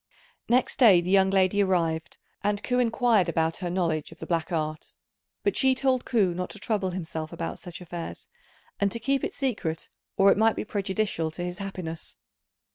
Next day the young lady arrived, and Ku inquired about her knowledge of the black art; but she told Ku not to trouble himself about such affairs, and to keep it secret or it might be prejudicial to his happiness.